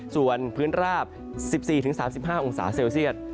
ส่วนพื้นราบ๑๔๓๕องศาเซลเซียต